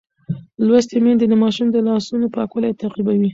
لوستې میندې د ماشوم د لاسونو پاکوالی تعقیبوي.